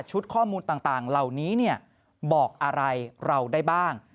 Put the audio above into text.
ข้อมูลต่างเหล่านี้บอกอะไรเราได้บ้าง